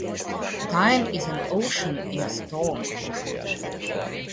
Time is an ocean in a storm.